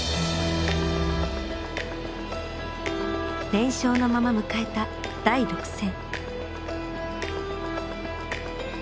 連勝のまま迎えた第６戦。